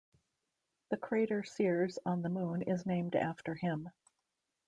The crater Seares on the Moon is named after him.